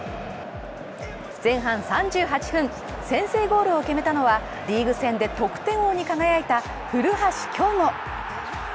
前半３８分、先制ゴールを決めたのはリーグ戦で得点王に輝いた古橋亨梧。